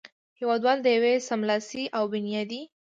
هېوادوال د یوه سملاسي او بنیادي